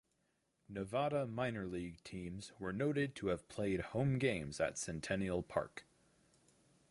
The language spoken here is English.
Nevada minor league teams were noted to have played home games at Centennial Park.